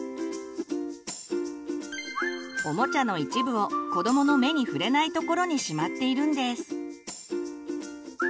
おもちゃの一部を子どもの目に触れないところにしまっているんです。